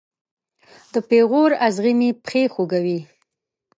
د پیغور اغزې مې پښې خوږوي